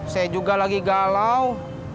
saya juga lagi galau